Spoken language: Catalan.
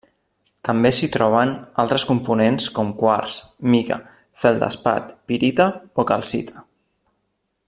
També s'hi troben altres components com quars, mica, feldespat, pirita o calcita.